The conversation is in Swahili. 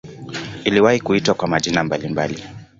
Iliwahi kuitwa kwa majina mbalimbali.